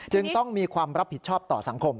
จึงต้องมีความรับผิดชอบต่อสังคม